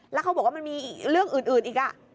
แล้วเขาบอกว่ามันมีเรื่องอื่นอีก